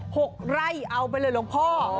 หกไร่เอาไปเลยหลวงพ่อ